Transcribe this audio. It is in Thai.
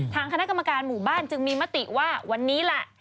ทางคณะกรรมการหมู่บ้านจึงมีมติว่าวันนี้แหละ